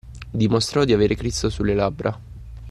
Dimostrò di avere Cristo sulle labbra